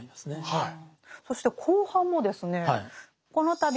はい。